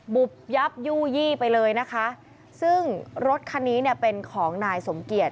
บุบยับยู่ยี่ไปเลยนะคะซึ่งรถคันนี้เนี่ยเป็นของนายสมเกียจ